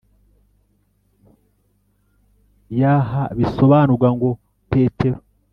Yh bisobanurwa ngo Petero